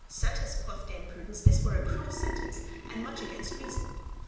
"Certes," quoth Dame Prudence, "this were a cruel sentence, and much against reason.